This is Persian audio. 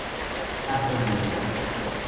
حرف بزرگ